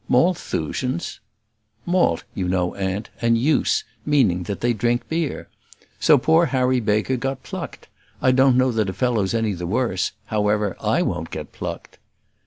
"Malthusians!" "'Malt,' you know, aunt, and 'use;' meaning that they drink beer. So poor Harry Baker got plucked. I don't know that a fellow's any the worse; however, I won't get plucked."